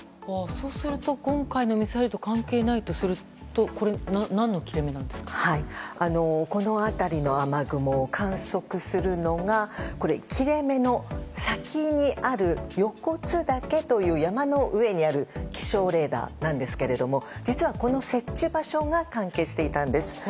そうすると今回のミサイルと関係ないとするとこの辺りの雨雲を観測するのが切れ目の先にある横津岳という山の上にある気象レーダーなんですけども実は、この設置場所が関係していたんです。